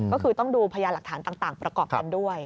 ก็คือต้องดูพยานหลักฐานต่างประกอบกันด้วย